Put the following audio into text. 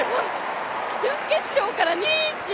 準決勝から２１！